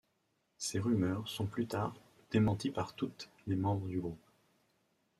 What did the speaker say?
Ces rumeurs sont plus tard démenties par toutes les membres du groupe.